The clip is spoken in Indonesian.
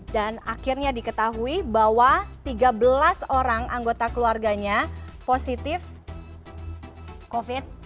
dan akhirnya diketahui bahwa tiga belas orang anggota keluarganya positif covid sembilan belas